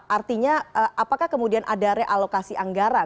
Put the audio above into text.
artinya apakah kemudian ada realokasi anggaran